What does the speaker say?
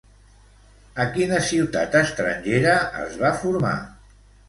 A quina ciutat estrangera es va formar?